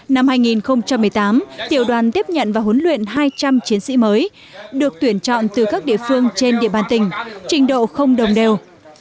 năm hai nghìn một mươi tám tiểu đoàn tiếp nhận và huấn luyện hai trăm linh chiến sĩ mới được tuyển chọn từ các địa phương trên địa bàn tỉnh trình độ không đồng đều